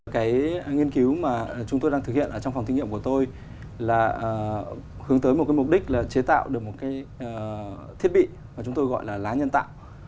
cái nghiên cứu mà chúng tôi đang thực hiện ở trong phòng thí nghiệm của tôi là hướng tới một cái mục đích là chế tạo được một cái thiết bị mà chúng tôi gọi là lá nhân tạo